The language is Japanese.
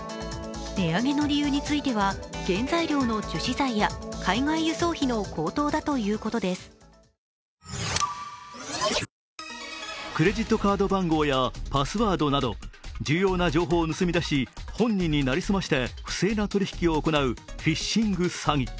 値上げの理由については、原材料の樹脂材や海外輸送費の高騰だということです・クレジットカード番号やパスワードなど重要な情報を盗み出し本人になりすまして不正なことを行うフィッシング詐欺。